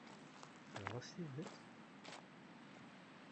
Dɣa s tidett?